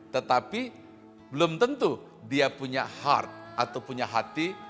tetapi belum tentu dia punya hard atau punya hati